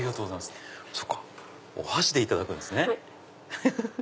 そっかお箸でいただくんですね。